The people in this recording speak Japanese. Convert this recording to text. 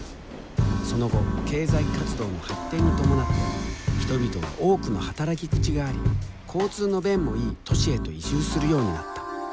その後経済活動の発展に伴って人々は多くの働き口があり交通の便もいい都市へと移住するようになった。